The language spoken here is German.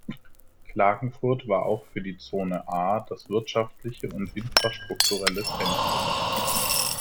Klagenfurt war auch für die „Zone A“ das wirtschaftliche und infrastrukturelle Zentrum.